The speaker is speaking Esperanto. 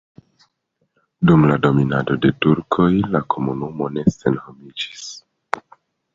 Dum dominado de turkoj la komunumo ne senhomiĝis.